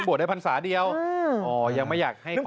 พูดได้ภาษาเดียวอ๋อยังไม่อยากให้ข้อคิด